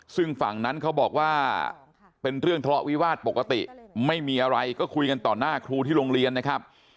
ซึ่งฝั่งนั้นเขาบอกว่าเป็นเรื่องทะเลาะวิวาสปกติไม่มีอะไรก็คุยกันต่อหน้าครูที่โรงเรียนนะครับ